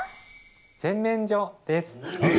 洗面所、です。